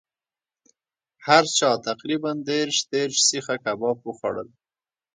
هر چا تقریبأ دېرش دېرش سیخه کباب وخوړلو.